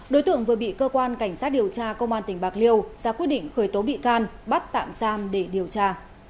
đối tượng vừa bị cơ quan cảnh sát điều tra công an tỉnh bạc liêu ra quyết định khởi tố bị can bắt tạm giam để điều tra